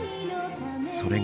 それが。